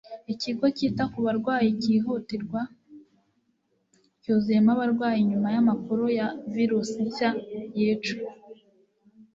Ikigo cyita ku barwayi cyihutirwa cyuzuyemo abarwayi nyuma y’amakuru ya virusi nshya yica.